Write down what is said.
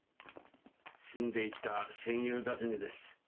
死んでいった戦友たちにです。